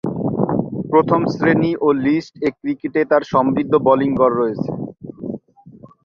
প্রথম-শ্রেণী ও List A ক্রিকেটে তার সমৃদ্ধ বোলিং গড় রয়েছে।